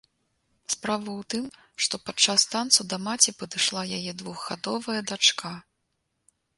Справа ў тым, што падчас танцу да маці падышла яе двухгадовая дачка.